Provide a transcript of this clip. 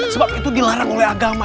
sebab itu dilarang oleh agama